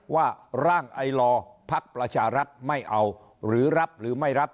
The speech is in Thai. ว่าร่างไอลอภักดิ์ประชารัฐไม่เอาหรือรับหรือไม่รับ